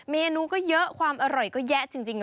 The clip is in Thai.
เมนูก็เยอะความอร่อยก็แยะจริงนะ